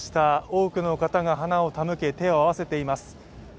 多くの方が花を手向け手を合わせています。